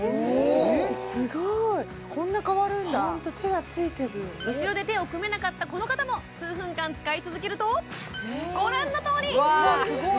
すごーいこんな変わるんだホント手がついてる後ろで手を組めなかったこの方も数分間使い続けるとご覧のとおり！